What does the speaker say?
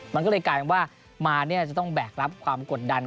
มันก็เลยกลายเป็นว่ามาเนี่ยจะต้องแบกรับความกดดัน